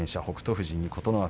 富士に琴ノ若